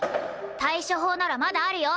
対処法ならまだあるよ！